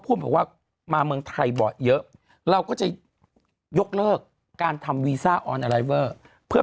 บอกว่ามาเมืองไทยบ่อยเยอะเราก็จะยกเลิกการทำวีซ่าออนอะไรเวอร์เพื่อ